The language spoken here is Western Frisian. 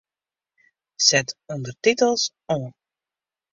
Set ûndertitels oan.